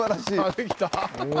できた。